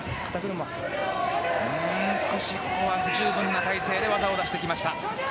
少しここは不十分な体勢で技を出しました。